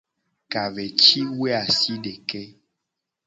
Ka ve ci woe asideke.